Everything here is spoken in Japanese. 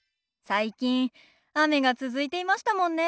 最近雨が続いていましたもんね。